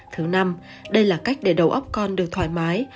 thứ năm đây là cách để đầu óc con được thoải mái